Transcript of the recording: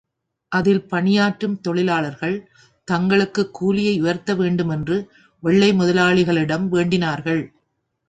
அதில் பணியாற்றும் தொழிலாளர்கள் தங்களுக்கு கூலியை உயர்த்தவேண்டும் என்று வெள்ளை முதலாளிகளிடம் வேண்டினார்கள்.